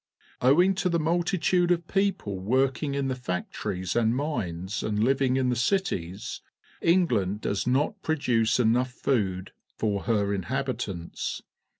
Owing to the multitude of people working in the factories and mines and living in the cities, England does not produce enough food for her inhabitants.